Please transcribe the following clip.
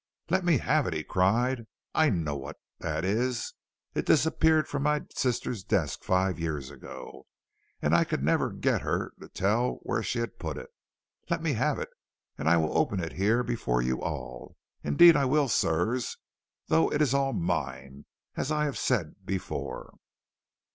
"Let me have it!" he cried. "I know what that is; it disappeared from my sister's desk five years ago, and I could never get her to tell where she had put it. Let me have it, and I will open it here before you all. Indeed I will, sirs though it is all mine, as I have said before."